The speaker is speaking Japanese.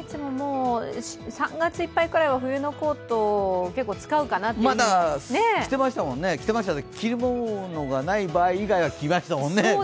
いつももう３月いっぱいくらいは冬のコートをまだ使うかなってぐらいまだ着てましたもんね、着るものがない場合には着てましたもんね。